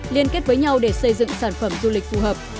liên kết với nhau để xây dựng sản phẩm du lịch phù hợp